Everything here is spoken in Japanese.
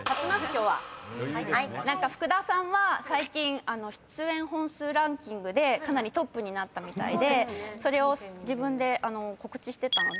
何か福田さんは最近出演本数ランキングでかなりトップになったみたいでそれを自分で告知してたので。